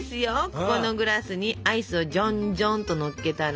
ここのグラスにアイスをジョンジョンっとのっけたら。